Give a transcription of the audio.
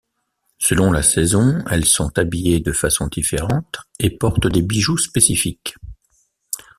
Selon la saison, elles sont habillées de façon différentes et portent des bijoux spécifiques.